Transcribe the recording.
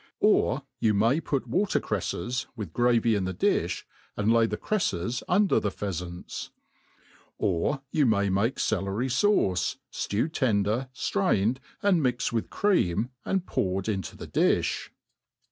Or you may put water crefTes, with gravy in the difls, and hy the cre, fles under the pheafants. Or you may make celery fauce, ftewed tender, ftrained and mixed with cream, and poured into thedifii.